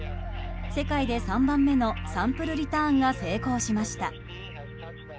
世界で３番目のサンプルリターンが成功しました。